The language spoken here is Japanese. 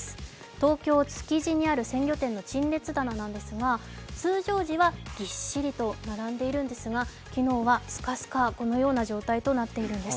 東京・築地にある鮮魚店の陳列棚なんですが、通常時はぎっしりと並んでいるんですが、昨日はスカスカ、このような状態となっているんです。